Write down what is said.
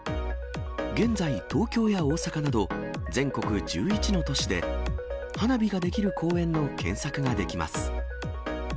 現在、東京や大阪など、全国１１の都市で、花火ができる公園の検索ができます。